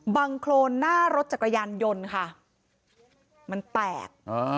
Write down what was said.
โครนหน้ารถจักรยานยนต์ค่ะมันแตก